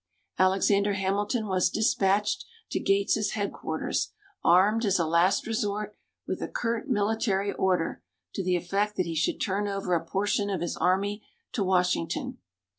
Alexander Hamilton was dispatched to Gates' headquarters, armed, as a last resort, with a curt military order to the effect that he should turn over a portion of his army to Washington.